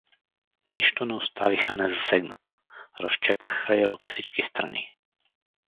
Нищо не оставиха незасегнато, разчепкаха я от всички страни!